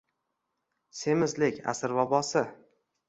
Semizlik - asr vabosi.